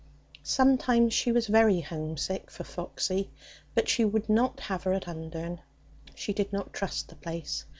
Sometimes she was very homesick for Foxy, but she would not have her at Undern. She did not trust the place.